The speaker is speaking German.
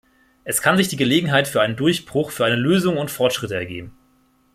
Es kann sich die Gelegenheit für einen Durchbruch, für eine Lösung und Fortschritte ergeben.